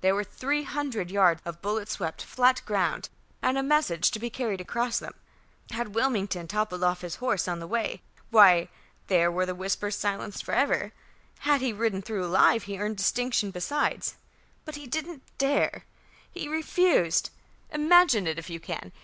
There were three hundred yards of bullet swept flat ground, and a message to be carried across them. Had Wilmington toppled off his horse on the way, why, there were the whispers silenced for ever. Had he ridden through alive he earned distinction besides. But he didn't dare; he refused! Imagine it if you can!